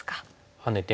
ハネても。